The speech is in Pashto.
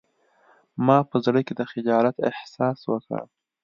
ما په زړه کې د خجالت احساس وکړ